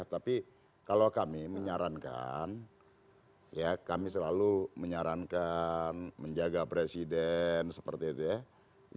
tapi kalau kami menyarankan ya kami selalu menyarankan menjaga presiden seperti itu ya